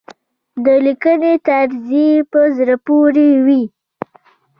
د لیکنې طرز يې په زړه پورې وي.